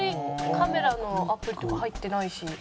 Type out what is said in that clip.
カメラのアプリとか入ってないし。